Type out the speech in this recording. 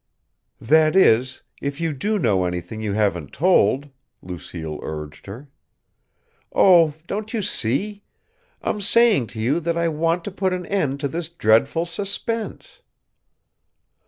"That is, if you do know anything you haven't told!" Lucille urged her. "Oh, don't you see? I'm saying to you that I want to put an end to this dreadful suspense!"